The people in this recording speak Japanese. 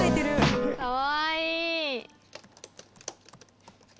かわいい！